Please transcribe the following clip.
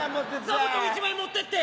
座布団１枚持ってって。